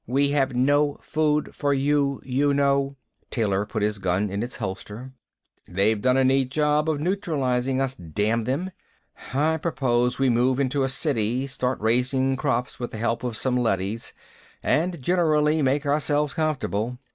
We have no food for you, you know." Taylor put his gun in its holster. "They've done a neat job of neutralizing us, damn them. I propose we move into a city, start raising crops with the help of some leadys, and generally make ourselves comfortable."